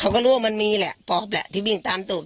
เขาก็รู้ว่ามันมีแหละป๊อปแหละที่วิ่งตามตูบ